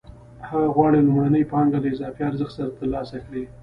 هغه غواړي لومړنۍ پانګه له اضافي ارزښت سره ترلاسه کړي